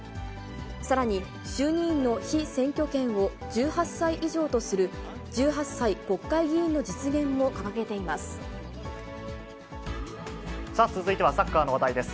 さらに、衆議院の被選挙権を１８歳以上とする、１８歳国会議員の実現も掲さあ、続いてはサッカーの話題です。